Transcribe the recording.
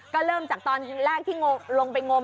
ก็เริ่มจากตอนแรกที่ลงไปงม